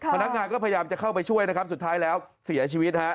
พนักงานก็พยายามจะเข้าไปช่วยนะครับสุดท้ายแล้วเสียชีวิตฮะ